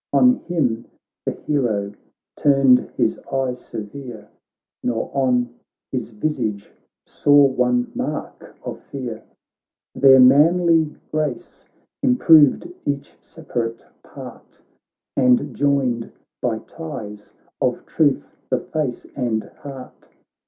On him the hero turned his eye severe. Nor on his visage saw one mark of fear ; There manly grace improved each separ ate part. And joined by ties of truth the face and heart.